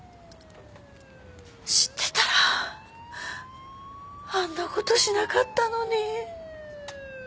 知ってたらあんな事しなかったのに。